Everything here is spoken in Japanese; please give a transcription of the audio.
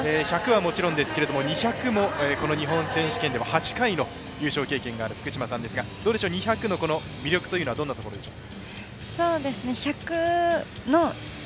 １００はもちろんですけど２００もこの日本選手権では８回の優勝経験がある福島さんですが２００の魅力というのはどんなところでしょう。